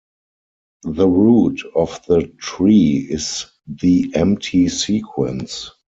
The root of the tree is the empty sequence.